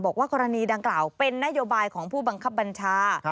กรณีดังกล่าวเป็นนโยบายของผู้บังคับบัญชา